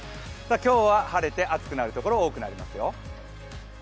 今日は晴れて暑くなるところ多くなりますよ。